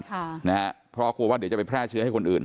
ในห้องเช่าเท่านั้นนะครับเพราะกลัวว่าเดี๋ยวจะไปแพร่เชื้อให้คนอื่น